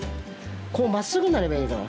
こうまっすぐになればいいから。